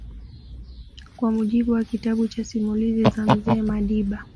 Kwa mujibu wa kitabu cha Simulizi za Mzee Madiba